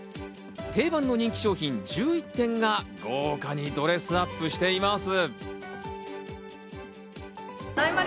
定番の人気商品１１点が豪華にドレスアップしています。